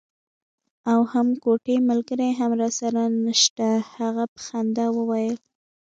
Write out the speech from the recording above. او هم کوټه ملګری هم راسره نشته. هغه په خندا وویل.